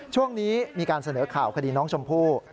ช่วงนี้มีการเสนอข่าวคดีน้องชมพู่